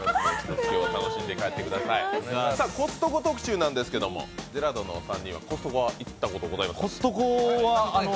コストコ特集なんですけど、ジェラードンのお３人はコストコ行ったことありますか？